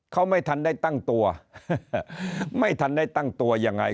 เขาไม่ทันได้ตั้งตัวไม่ทันได้ตั้งตัวยังไง